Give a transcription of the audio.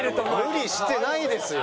無理してないですよ。